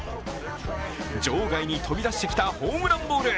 場外に飛び出してきたホームランボール。